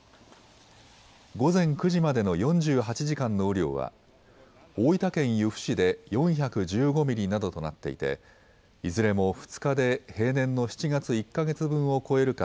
午前９時までの４８時間の雨量は大分県由布市で４１５ミリなどとなっていていずれも２日で平年の７月１か月分を超えるか